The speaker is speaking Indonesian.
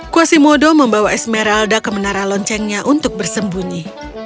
quasimodo membawa esmeralda ke menara loncengnya untuk bersembunyi